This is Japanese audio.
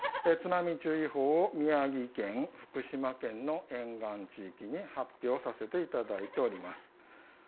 津波注意報を宮城県、福島県の沿岸地域に発表させていただいております。